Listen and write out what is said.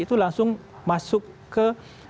itu langsung masuk ke